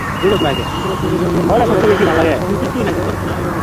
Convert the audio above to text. পুরো ছবি দেখবেন বলে কয়েকজন দর্শনার্থী সামনে রাখা চেয়ারগুলোতে বসে যান।